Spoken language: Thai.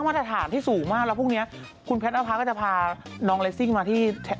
เวยพรท่านผู้ชมพรุ่งนี้คงต้องไปแต่เอียร์หลาน๒คน